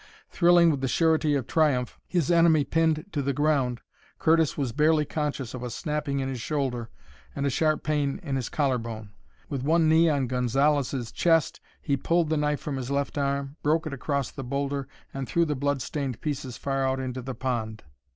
Thrilling with the surety of triumph, his enemy pinned to the ground, Curtis was barely conscious of a snapping in his shoulder and a sharp pain in his collar bone. With one knee on Gonzalez's chest, he pulled the knife from his left arm, broke it across the boulder, and threw the bloodstained pieces far out into the pond.